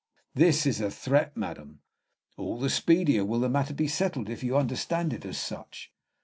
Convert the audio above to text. "This is a threat, madam." "All the speedier will the matter be settled if you understand it as such."